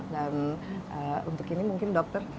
dan untuk ini mungkin dokter